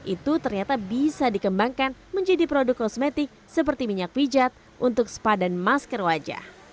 itu ternyata bisa dikembangkan menjadi produk kosmetik seperti minyak pijat untuk spa dan masker wajah